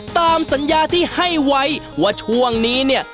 ตามสัญญาที่ให้ไว้ว่าช่วงนี้เนี่ย